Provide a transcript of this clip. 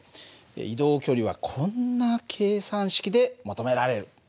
移動距離はこんな計算式で求められる。